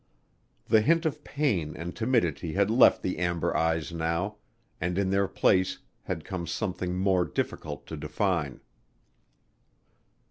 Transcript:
The hint of pain and timidity had left the amber eyes now and in their place had come something more difficult to define.